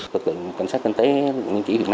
lực lượng cảnh sát kinh tế